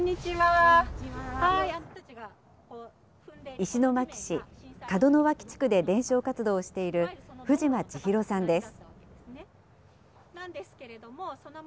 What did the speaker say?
石巻市門脇地区で伝承活動をしている藤間千尋さんです。